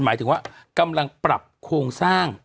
หมายถึงว่ากำลังปรับโครงสร้าง